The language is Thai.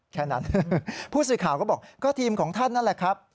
แค่นั้นผู้สื่อข่าวก็บอกก็ทีมของท่านนั่นแหละครับ